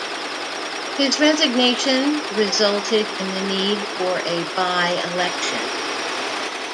His resignation resulted in the need for a by-election.